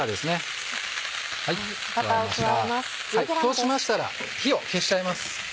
そうしましたら火を消しちゃいます。